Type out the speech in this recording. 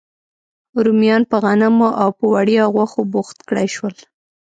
رومیان په غنمو او په وړیا غوښو بوخت کړای شول.